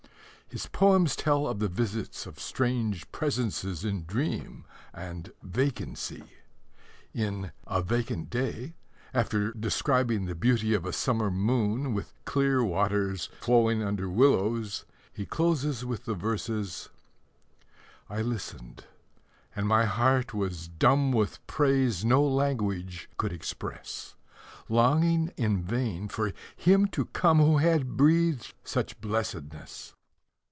His poems tell of the visits of strange presences in dream and vacancy. In A Vacant Day, after describing the beauty of a summer moon, with clear waters flowing under willows, he closes with the verses: I listened; and my heart was dumb With praise no language could express; Longing in vain for him to come Who had breathed such blessedness.